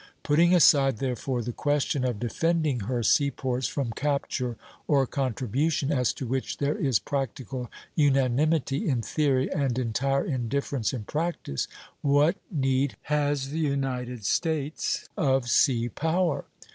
Putting aside therefore the question of defending her seaports from capture or contribution, as to which there is practical unanimity in theory and entire indifference in practice, what need has the United States of sea power?